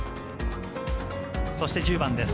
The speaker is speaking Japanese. そして１０番です。